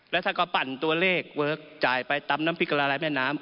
แล้วท่านก็ปั่นตัวเลขเวิร์คจ่ายไปตำน้ำพริกกะละลายแม่น้ำ